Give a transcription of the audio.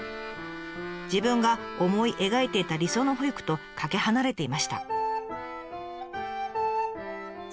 自分が思い描いていた理想の保育とかけ離れていました。